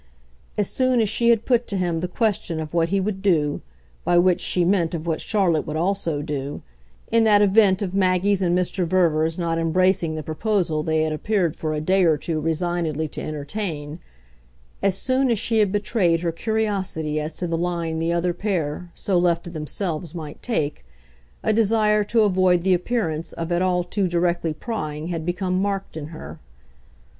As soon as she had put to him the question of what he would do by which she meant of what Charlotte would also do in that event of Maggie's and Mr. Verver's not embracing the proposal they had appeared for a day or two resignedly to entertain; as soon as she had betrayed her curiosity as to the line the other pair, so left to themselves, might take, a desire to avoid the appearance of at all too directly prying had become marked in her.